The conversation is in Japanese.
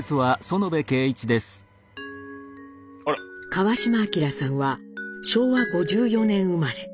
川島明さんは昭和５４年生まれ。